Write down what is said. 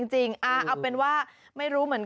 เฮ้ยเฮ้ยเฮ้ยเฮ้ยเฮ้ย